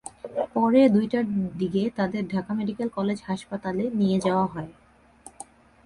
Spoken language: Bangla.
পরে দুইটার দিকে তাঁদের ঢাকা মেডিকেল কলেজ হাসপাতালে নিয়ে যাওয়া হয়।